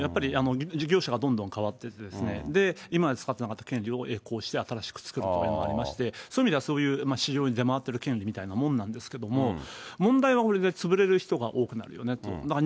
やっぱり事業者がどんどん変わっていって、今まで使ってなかった権利を行使して新しく作るみたいなこともありますし、そういう意味ではそういう市場に出回っている権利みたいなもんなんですけれども、問題はこれで潰れる人が多くなるよねって。